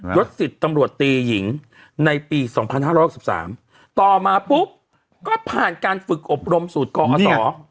ยดสิทธิ์ตำรวจตีหญิงในปีสองพันห้าร้อยสิบสามต่อมาปุ๊บก็ผ่านการฝึกอบรมสูตรกองคตอ